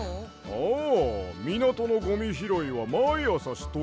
ああみなとのゴミひろいはまいあさしとるで。